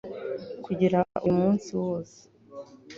kugira uyu munsi wose